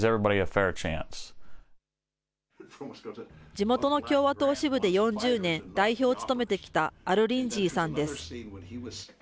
地元の共和党支部で４０年、代表を務めてきたアル・リンジーさんです。